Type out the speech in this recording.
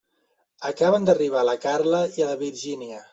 Acaben d'arribar la Carla i la Virgínia.